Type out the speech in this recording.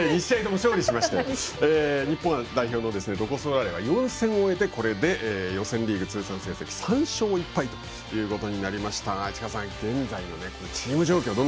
２試合とも勝利しまして日本代表のロコ・ソラーレは４戦を終えてこれで予選リーグ通算成績３勝１敗ということになりましたが市川さん、現在のチーム状況